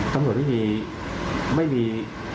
ตำรวจไม่มีไม่มี